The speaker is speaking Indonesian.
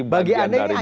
bagian dari berani